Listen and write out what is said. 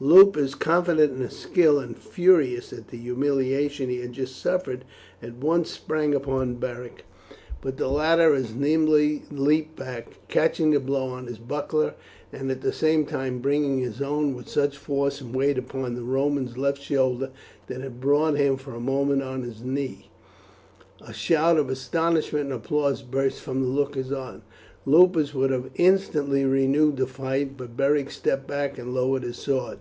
Lupus, confident in his skill, and furious at the humiliation he had just suffered, at once sprang upon Beric, but the latter as nimbly leaped back, catching the blow on his buckler, and at the same time bringing his own with such force and weight upon the Roman's left shoulder that it brought him for a moment on his knee. A shout of astonishment and applause burst from the lookers on. Lupus would have instantly renewed the fight, but Beric stepped back and lowered his sword.